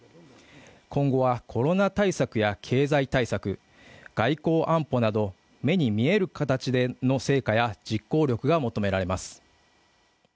今後は、コロナ対策や経済対策、外交安保など目に見える形での成果や実行力が求められます。